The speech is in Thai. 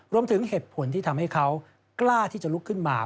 รวมถึงเหตุผลที่ทำให้เขากล้าที่จะลุกขึ้นมา